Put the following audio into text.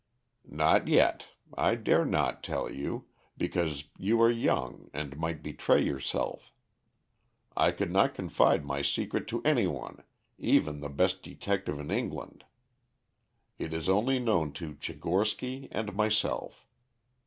"Not yet. I dare not tell you, because you are young and might betray yourself. I could not confide my secret to any one, even the best detective in England. It is only known to Tchigorsky and myself.